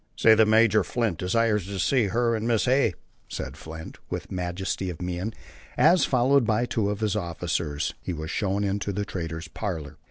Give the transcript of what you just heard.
"Say that Major Flint desires to see her and Mrs. Hay," said Flint, with majesty of mien, as, followed by two of his officers, he was shown into the trader's parlor.